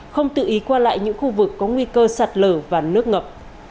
không tự ý qua lại những khu vực có nguy cơ sạt lở và nước ngập